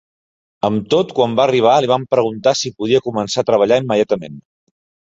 Amb tot, quan va arribar, li van preguntar si podia començar a treballar immediatament.